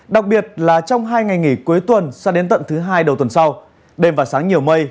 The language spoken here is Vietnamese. đặc biệt là trong hai ngày nghỉ cuối tuần sang đến tận thứ hai đầu tuần sau đêm và sáng nhiều mây